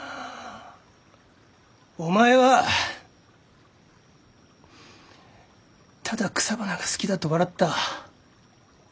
お前はただ草花が好きだと笑った。